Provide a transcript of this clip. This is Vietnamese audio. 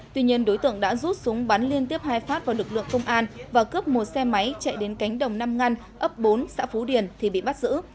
tuy nhiên đối tượng đã rút súng bắn liên tiếp hai phát vào lực lượng công an và cướp một xe máy chạy đến cánh đồng năm ngăn ấp bốn xã phú điền thì bị bắt giữ